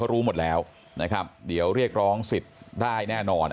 รู้หมดแล้วนะครับเดี๋ยวเรียกร้องสิทธิ์ได้แน่นอน